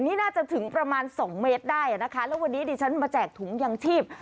นี่น่าจะถึงประมาณสองเมตรได้นะคะแล้ววันนี้ดิฉันมาแจกถุงยังชีพ